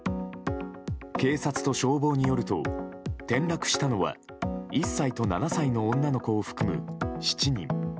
警察と消防によると転落したのは１歳と７歳の女の子を含む７人。